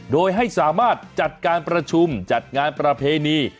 โดยให้สามารถจัดการประชุมจัดงานประเพณี